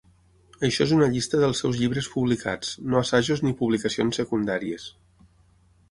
Això és una llista dels seus llibres publicats, no assajos ni publicacions secundàries.